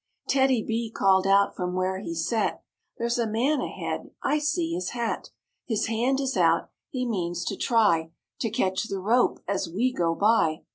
TEDDY—B called out from where he sat, " There's a man ahead; I see his hat; His hand is out; he means to try To catch the rope as we go by."